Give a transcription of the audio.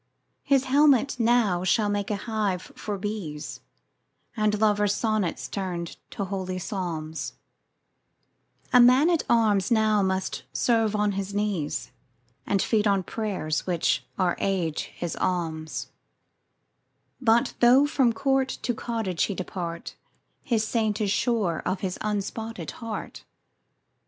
His helmet now shall make a hive for bees; And, lovers' sonnets turn'd to holy psalms, A man at arms must now serve on his knees, And feed on prayers, which are Age his alms: 10 But though from court to cottage he depart, His Saint is sure of his unspotted heart.